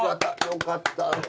よかった。